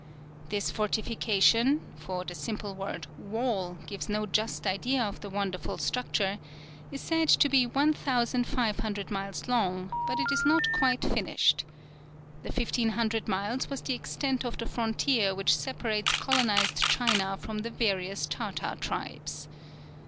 "This fortification for the simple word 'wall' gives no just idea of the wonderful structure is said to be 1500 miles long, but it is not quite finished. The fifteen hundred miles was the extent of the frontier which separates colonized China from the various Tartar tribes.